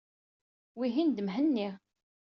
Wihin d Mhenni.